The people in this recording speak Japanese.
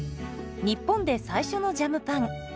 日本で最初のジャムパン。